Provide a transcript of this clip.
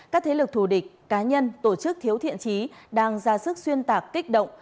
các thế lực thù địch cá nhân tổ chức thiếu thiện trí đang ra sức xuyên tạc kích động